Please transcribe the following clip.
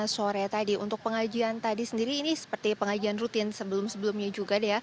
selamat sore laisa